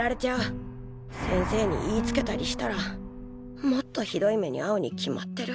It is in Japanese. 先生に言いつけたりしたらもっとひどい目にあうに決まってる。